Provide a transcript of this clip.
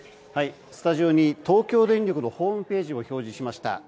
スタジオに東京電力のホームページを表示しました。